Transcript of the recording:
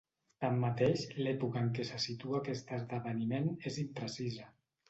Tanmateix, l'època en què se situa aquest esdeveniment és imprecisa.